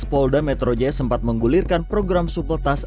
tahun dua ribu tujuh belas polda metro jaya sempat menggulirkan program supletas